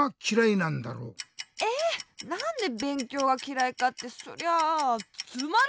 なんでべんきょうがきらいかってそりゃあつまらないからさ！